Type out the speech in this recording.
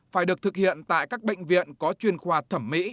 phải được thực hiện tại các bệnh viện có chuyên khoa thẩm mỹ